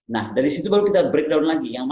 nah dari situ baru kita breakdown lagi yang mana